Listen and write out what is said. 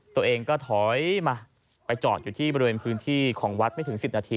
ตัวเองก็ถอยมาไปจอดอยู่ที่บริเวณพื้นที่ของวัดไม่ถึง๑๐นาที